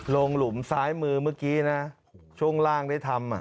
หลุมซ้ายมือเมื่อกี้นะช่วงล่างได้ทำ